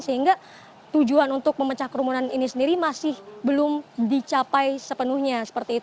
sehingga tujuan untuk memecah kerumunan ini sendiri masih belum dicapai sepenuhnya